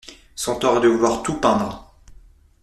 Son tort est de vouloir tout peindre.